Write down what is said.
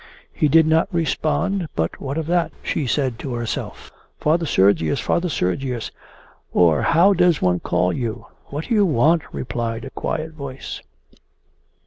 'He did not respond, but what of that?' she said to herself. 'Father Sergius! Father Sergius! Or how does one call you?' 'What do you want?' replied a quiet voice.